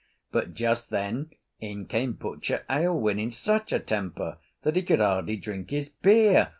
But just then in came butcher Aylwin in such a temper that he could hardly drink his beer.